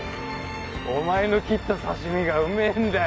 お前の切った刺し身がうめえんだよ。なあ？